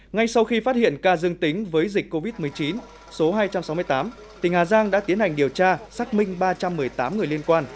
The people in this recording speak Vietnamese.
ngay sau khi phát hiện ca dương tính với dịch covid một mươi chín số hai trăm sáu mươi tám tỉnh hà giang đã tiến hành điều tra xác minh ba trăm một mươi tám người liên quan